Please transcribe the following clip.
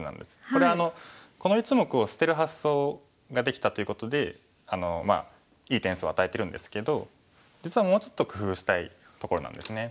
これこの１目を捨てる発想ができたということでいい点数を与えてるんですけど実はもうちょっと工夫したいところなんですね。